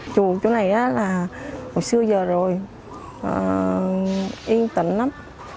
chùa chỗ này là hồi xưa giờ rồi yên tĩnh lắm